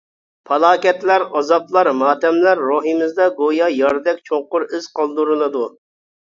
پالاكەتلەر، ئازابلار، ماتەملەر روھىمىزدا گويا ياردەك چوڭقۇر ئىز قالدۇرۇلىدۇ.